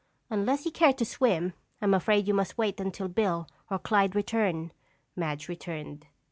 "Unless you care to swim I'm afraid you must wait until Bill or Clyde return," Madge returned.